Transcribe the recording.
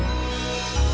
pakak kan biasa